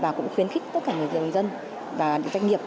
và cũng khuyến khích tất cả người dân và những doanh nghiệp